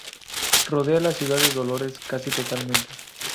Rodea la ciudad de Dolores casi totalmente.